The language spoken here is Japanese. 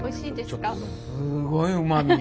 すごいうまみ。